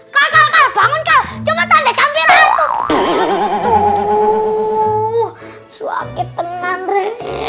kau kau kau bangun kau coba tanda campuran tuh suami penang re